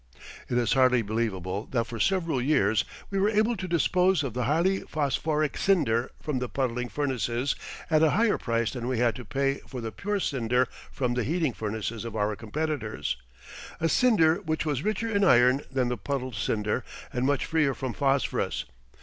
It is hardly believable that for several years we were able to dispose of the highly phosphoric cinder from the puddling furnaces at a higher price than we had to pay for the pure cinder from the heating furnaces of our competitors a cinder which was richer in iron than the puddled cinder and much freer from phosphorus.